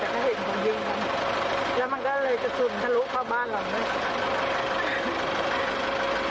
แต่ก็เห็นคนยิงแล้วแล้วมันก็เลยกระสุนทะลุเข้าบ้านหลัง